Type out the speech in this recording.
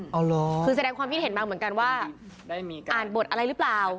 อ๋อเหรอคือแสดงความคิดเห็นมากเหมือนกันว่าอ่านบทอะไรหรือเปล่า